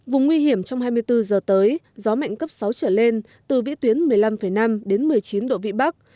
vùng nguy hiểm trong hai mươi bốn giờ tới gió mạnh cấp sáu trở lên từ vĩ tuyến một mươi năm năm đến một mươi chín độ vị bắc